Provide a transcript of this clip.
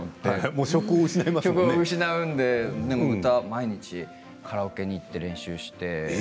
職を失うので、歌を毎日カラオケに行って練習して。